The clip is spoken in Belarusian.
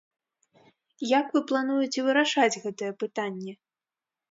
Як вы плануеце вырашаць гэтае пытанне?